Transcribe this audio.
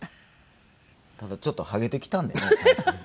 ただちょっとハゲてきたんでね。ハハハハ。